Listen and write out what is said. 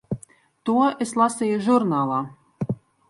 To es lasīju žurnālā.